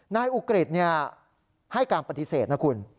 นายอุกริตเนี่ยให้การปฏิเสธนะคุณ